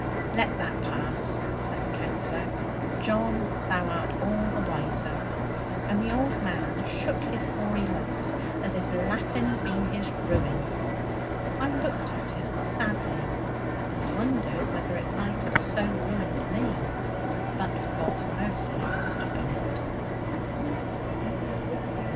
'Let that pass,' said the Counsellor; 'John, thou art all the wiser.' And the old man shook his hoary locks, as if Latin had been his ruin. I looked at him sadly, and wondered whether it might have so ruined me, but for God's mercy in stopping it.